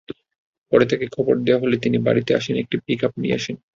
পরে তাঁকে খবর দেওয়া হলে তিনি বাড়িতে একটি পিকআপ নিয়ে আসেন।